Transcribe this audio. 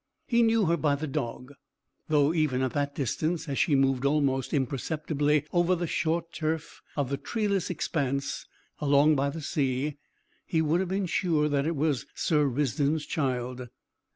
He knew her by the dog, though even at that distance, as she moved almost imperceptibly over the short turf of the treeless expanse along by the sea, he would have been sure that it was Sir Risdon's child.